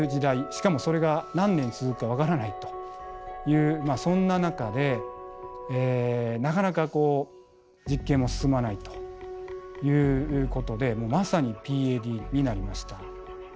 しかもそれが何年続くか分からないというそんな中でなかなか実験も進まないということでまさにＰＡＤになりました。